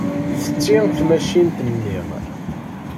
Tetti tmacint-nni.